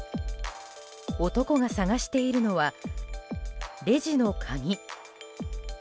男が探しているのはレジの鍵。